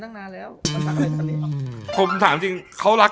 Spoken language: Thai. แตกกันเองแล้ว